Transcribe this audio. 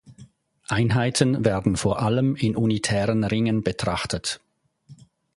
Einheiten werden vor allem in unitären Ringen betrachtet.